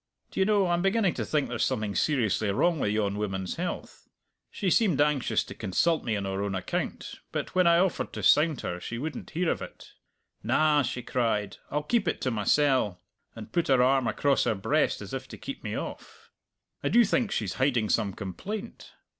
D'ye know, I'm beginning to think there's something seriously wrong with yon woman's health! She seemed anxious to consult me on her own account, but when I offered to sound her she wouldn't hear of it. 'Na,' she cried, 'I'll keep it to mysell!' and put her arm across her breast as if to keep me off. I do think she's hiding some complaint!